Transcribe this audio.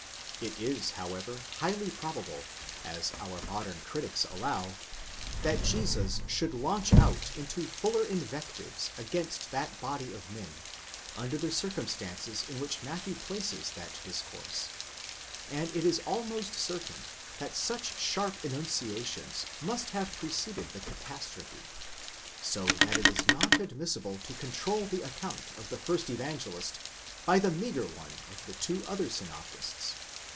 It is however highly probable, as our modern critics allow, that Jesus should launch out into fuller invectives against that body of men under the circumstances in which Matthew places that discourse, and it is almost certain that such sharp enunciations must have preceded the catastrophe ; so that it is not admissible to control the account of the first Evangelist by the meagre one of the two other synoptists